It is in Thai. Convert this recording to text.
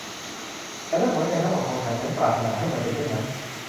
แต่ด้วยหัวใจทั้งหมดของฉัน ฉันปรารถนาให้มันเป็นเช่นนั้น